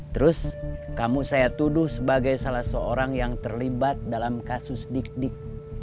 terus kamu saya tuduh sebagai salah seorang yang terlibat dalam kasus dik dik